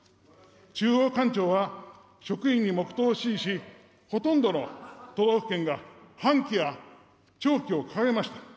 中央官庁は職員に黙とうを指示し、ほとんどの都道府県が半旗や弔旗を掲げました。